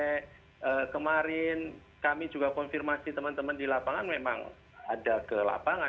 jadi kemarin kami juga konfirmasi teman teman di lapangan memang ada ke lapangan